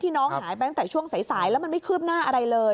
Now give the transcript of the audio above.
น้องหายไปตั้งแต่ช่วงสายแล้วมันไม่คืบหน้าอะไรเลย